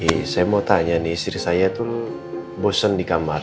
iya saya mau tanya nih istri saya tuh bosen di kamar